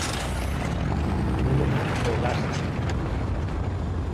Vull anar a Ogassa